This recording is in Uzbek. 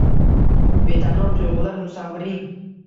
Betakror tuyg‘ular musavviring